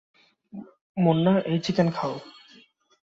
মুন্না, এই চিকেন খাও।